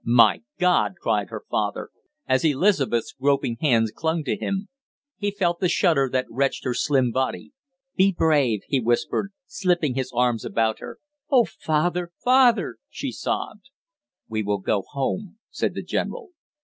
"My God!" cried her father, as Elizabeth's groping hands clung to him. He felt the shudder that wrenched her slim body. "Be brave!" he whispered, slipping his arms about her. "Oh, father father " she sobbed. "We will go home," said the general.